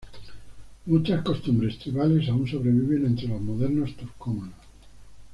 Muchas costumbres tribales aún sobreviven entre los modernos turcomanos.